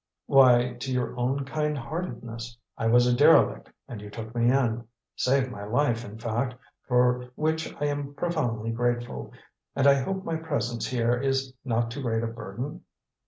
"Why, to your own kind heartedness. I was a derelict and you took me in saved my life, in fact; for which I am profoundly grateful. And I hope my presence here is not too great a burden?"